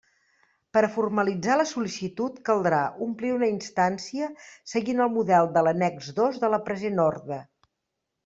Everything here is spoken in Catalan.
Per a formalitzar la sol·licitud caldrà omplir una instància seguint el model de l'annex dos de la present orde.